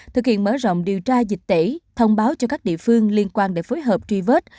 thực hiện mở rộng điều tra dịch tễ thông báo cho các địa phương liên quan để phối hợp truy vết